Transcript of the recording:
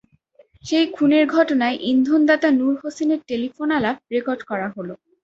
সেই খুনের ঘটনায় ইন্ধনদাতা নূর হোসেনের টেলিফোন আলাপ রেকর্ড করা হলো।